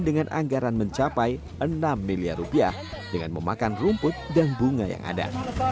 dengan anggaran mencapai enam miliar rupiah dengan memakan rumput dan bunga yang ada